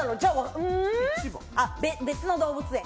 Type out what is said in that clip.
別の動物園。